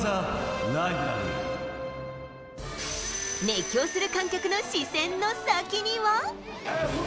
熱狂する観客の視線の先には。